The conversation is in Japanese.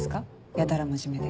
やたら真面目で。